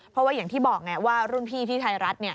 เพราะว่าอย่างที่บอกไงว่ารุ่นพี่ที่ไทยรัฐ